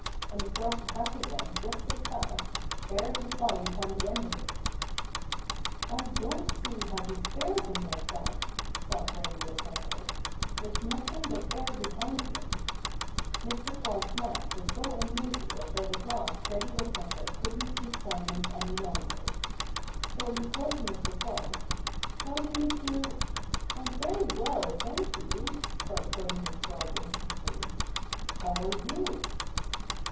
And it darted back again just as fast, bearing the fly upon the end of it. "I don't see how he spears 'em like that," thought Reddy Woodpecker, "with nothing but air behind them." Mr. Frog's knack was so unusual that at last Reddy Woodpecker couldn't keep silent any longer. So he called to Mr. Frog, "How do you do——" "I'm very well, thank you!" cried Ferdinand Frog instantly. "How are you?"